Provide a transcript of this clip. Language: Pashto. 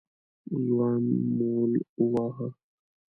ځوان مول وواهه.